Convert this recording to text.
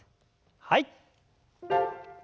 はい。